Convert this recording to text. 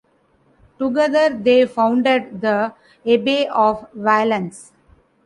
Together they founded the abbey of Valence.